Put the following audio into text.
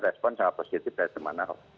respons yang positif dari teman ahok